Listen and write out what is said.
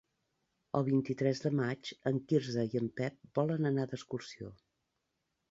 El vint-i-tres de maig en Quirze i en Pep volen anar d'excursió.